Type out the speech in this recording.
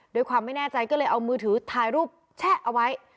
ความไม่แน่ใจก็เลยเอามือถือถ่ายรูปแชะเอาไว้